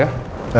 pak erik pak erik